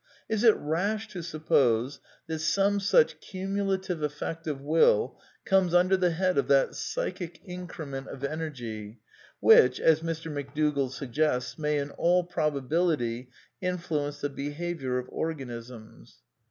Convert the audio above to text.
Is it rash to suppose that some such cumulative effect of will comes under the head of that " psychic increment " of energy, which, as Mr. McDougall suggests, may in all probability influence the behaviour of organisms